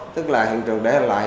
tức là hiện trường để lại